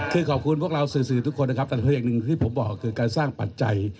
คือขอบคุณพวกเราสื่อทุกคนนะครับแต่คืออย่างหนึ่งที่ผมบอกคือการสร้างปัจจัย